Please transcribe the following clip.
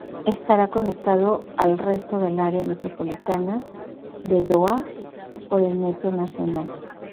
Estará conectado al resto del área metropolitana de Doha por el metro nacional.